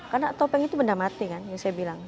karena topeng itu benda mati kan yang saya bilang